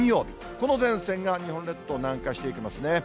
この前線が日本列島を南下していきますね。